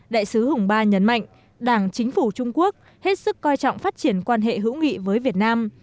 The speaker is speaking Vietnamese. đại sứ hùng ba nhấn mạnh đảng chính phủ trung quốc hết sức coi trọng phát triển quan hệ hữu nghị với việt nam